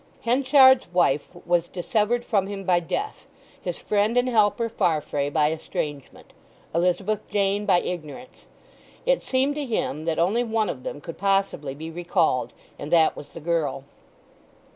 Henchard's wife was dissevered from him by death; his friend and helper Farfrae by estrangement; Elizabeth Jane by ignorance. It seemed to him that only one of them could possibly be recalled, and that was the girl.